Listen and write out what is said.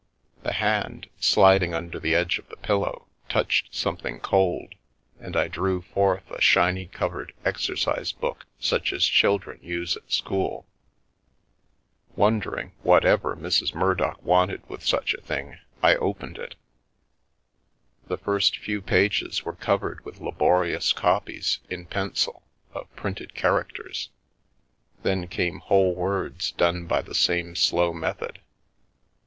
The hand, sliding under the edge of the pillow, touched something cold, and I drew forth a shiny covered exercise book such as children use at school. Wondering whatever Mrs. Murdock wanted with such a thing, I opened it. The first few pages were covered with laborious copies, in pencil, of printed char acters, then came whole words done by the same slow method.